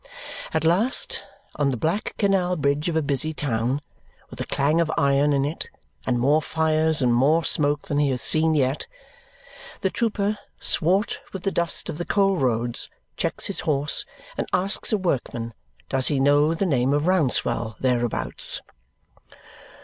At last, on the black canal bridge of a busy town, with a clang of iron in it, and more fires and more smoke than he has seen yet, the trooper, swart with the dust of the coal roads, checks his horse and asks a workman does he know the name of Rouncewell thereabouts.